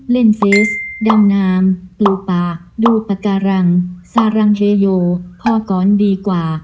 เล่นเฟสดั่งนามปลูป่าดูปัตต์การังสารังเฮโยเพาะกรณดีกว่า